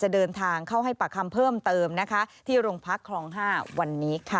เดินทางเข้าให้ปากคำเพิ่มเติมนะคะที่โรงพักคลอง๕วันนี้ค่ะ